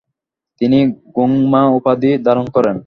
তিনি গোং-মা উপাধি ধারণ করেন।